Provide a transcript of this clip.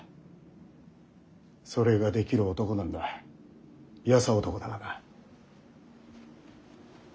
それができる男なんだ優男だがな。